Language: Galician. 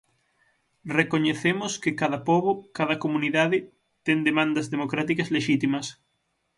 Recoñecemos que cada pobo, cada comunidade, ten demandas democráticas lexítimas.